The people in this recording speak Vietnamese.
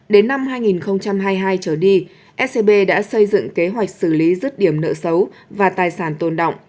đến năm hai nghìn hai mươi hai trở đi scb đã xây dựng kế hoạch xử lý rứt điểm nợ xấu và tài sản tồn động